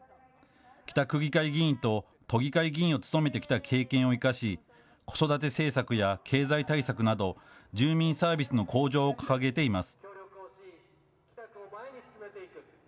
北区議会議員と都議会議員を務めてきた経験を生かし、子育て政策や経済対策など住民サービスの向上を掲げています。